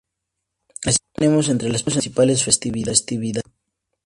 Así tenemos entre las principales festividades.